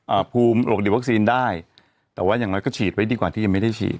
อ่าหลบหลีกวัคซีนได้แต่ว่ายังไงก็ฉีดไว้ดีกว่าที่ยังไม่ได้ฉีด